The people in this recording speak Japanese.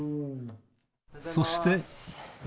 そして。